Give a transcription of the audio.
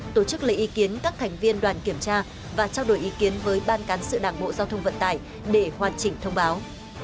tổ chức lấy ý kiến các thành viên đoàn kiểm tra và trao đổi ý kiến với ban cán sự đảng bộ giao thông vận tải để hoàn chỉnh thông báo